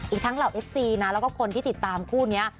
ทั้งเหล่าเอฟซีนะแล้วก็คนที่ติดตามคู่นี้